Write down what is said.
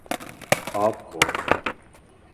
آپ کون